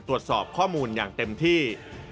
ตรวจสอบข้อมูลอย่างเต็มที่